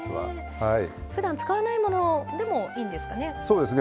ふだん使わないものでもいいんですかね。